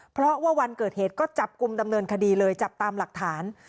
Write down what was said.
เพราะว่าวันเกิดเหตุก็จับกลุ่มดำเนินคดีเลยจับตามหลักฐาน